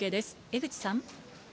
江口さん。